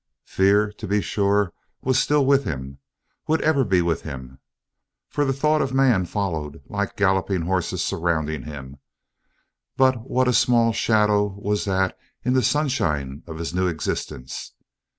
Fear, to be sure, was still with him; would ever be with him, for the thought of man followed like galloping horses surrounding him, but what a small shadow was that in the sunshine of this new existence!